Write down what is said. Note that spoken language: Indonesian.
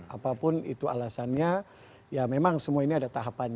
apapun itu alasannya ya memang semua ini ada tahapannya